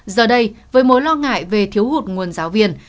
giờ đây với mối lo ngại về thiếu hụt nguồn giáo viên